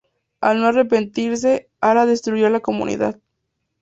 Al no arrepentirse, Alá destruyó la comunidad.